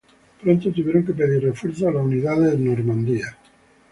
Pronto tuvieron que pedir refuerzos a las unidades de Normandía.